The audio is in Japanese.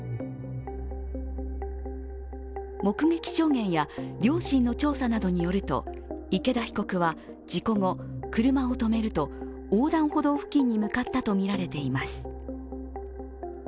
目撃証言や両親の調査などによると池田被告は事故後、車を止めると横断歩道付近に向かったとみられています。